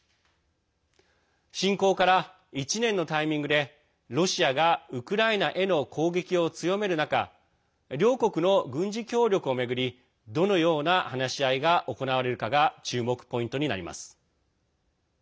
侵攻から１年のタイミングでロシアがウクライナへの攻撃を強める中両国の軍事協力を巡りどのような話し合いが行われるかが注目ポイントになります。